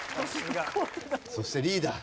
そしてリーダー。